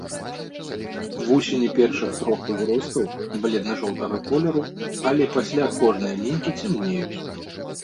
Вусені першых трох узростаў бледна-жоўтага колеру, але пасля кожнай лінькі цямнеюць.